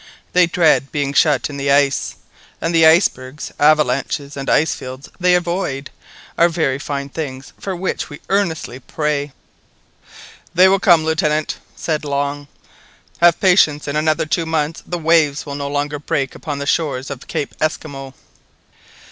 They dread being shut in the ice; and the icebergs, avalanches, and, ice fields they avoid, are the very things for which we earnestly pray." "They will come, Lieutenant," said Long; "have patience, in another two months the waves will no longer break upon the shores of Cape Esquimaux."